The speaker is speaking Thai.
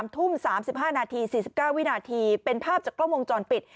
ทุ่ม๓๕นาที๔๙วินาทีเป็นภาพจากกล้องวงจรปิด